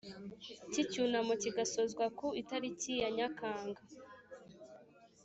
cy icyunamo kigasozwa ku itariki ya Nyakanga